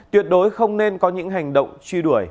tuyệt đối không nên có những hành động truy đuổi